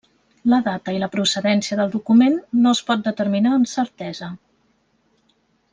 La data i la procedència del document no es pot determinar amb certesa.